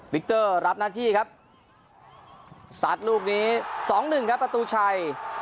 เตอร์รับหน้าที่ครับซัดลูกนี้สองหนึ่งครับประตูชัย